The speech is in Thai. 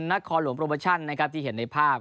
นครหลวงโปรโมชั่นนะครับที่เห็นในภาพ